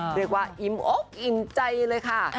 เรียกว่าอิมใจเลยค่ะ